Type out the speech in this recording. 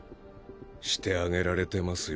してあげられてますよ。